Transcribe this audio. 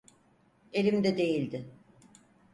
Elimde değildi.